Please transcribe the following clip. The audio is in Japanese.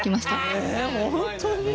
え本当に！？